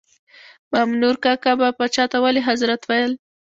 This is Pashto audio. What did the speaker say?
مامنور کاکا به پاچا ته ولي حضرت ویل.